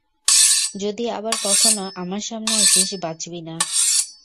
যদি আবার কখনো আমার সামনে আসিস, বাঁচবি না।